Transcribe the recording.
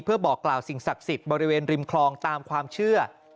เพื่อบอกกล่าวสิ่งศักดิ์สิทธิ์บริเวณริมคลองตามความเชื่อ